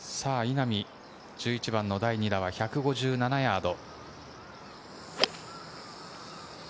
稲見、１１番の第２打は１５７ヤード。